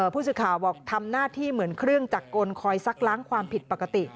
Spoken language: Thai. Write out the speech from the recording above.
ผู้สื่อข่าวบอกทำหน้าที่เหมือนเครื่องจักรกลคอยซักล้างความผิดปกติ